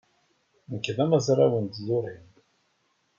Nekk d amezraw n tẓuri.